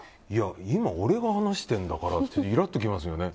今、俺が話してるんだからってイラッときますよね。